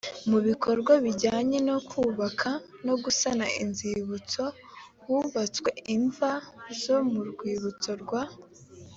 mu bikorwa bijyanye no kubaka no gusana inzibutso hubatswe imva zo mu rwibutso rwa